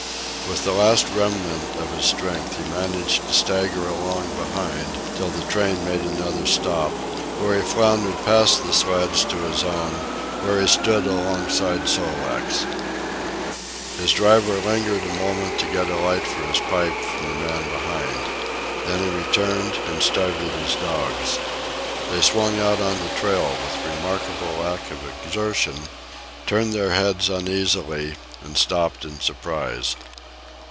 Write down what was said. With the last remnant of his strength he managed to stagger along behind till the train made another stop, when he floundered past the sleds to his own, where he stood alongside Sol leks. His driver lingered a moment to get a light for his pipe from the man behind. Then he returned and started his dogs. They swung out on the trail with remarkable lack of exertion, turned their heads uneasily, and stopped in surprise.